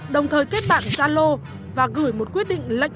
đồng thời kết bản xa lô và gửi một quyết định lệch